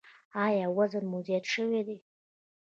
ایا وزن مو زیات شوی دی؟